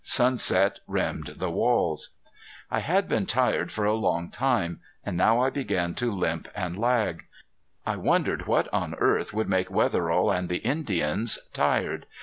Sunset rimmed the walls. I had been tired for a long time and now I began to limp and lag. I wondered what on earth would make Wetherill and the Indians tired.